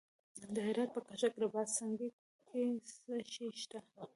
د هرات په کشک رباط سنګي کې څه شی شته؟